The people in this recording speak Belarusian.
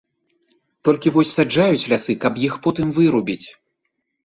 Толькі вось саджаюць лясы, каб іх потым вырубіць.